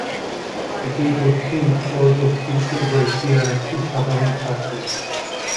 এটি দক্ষিণ ও দক্ষিণ-পূর্ব এশিয়ার একটি সাধারণ পাখি।